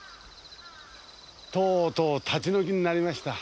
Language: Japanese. とうとう立ち退きになりました。